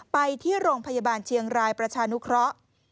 ไปที่โรงพยาบาลเชียงรายประชานุเคราะห์